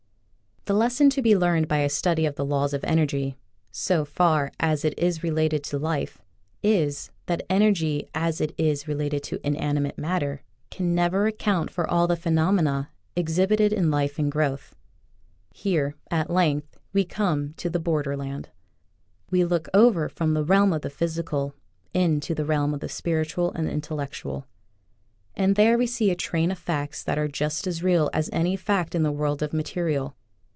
The lesson to be learned by a study of the laws of energy — so far as it is related to life — is, that energy as it is related to inanimate matter can never account for all the phe nomena exhibited in life and growth. Here, at length, we come to the border land. We look over from the realm of the physical into the realm of the spiritual and intellectual, and there we see a train of facts that are just as real as any fact in the world of material.